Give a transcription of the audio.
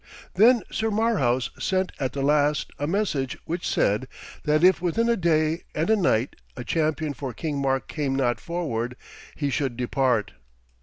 Then Sir Marhaus sent at the last a message which said, that if within a day and a night a champion for King Mark came not forward, he should depart.